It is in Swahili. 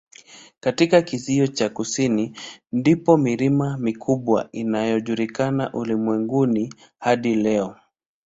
Katika kizio cha kusini ndipo milima mikubwa inayojulikana ulimwenguni hadi leo.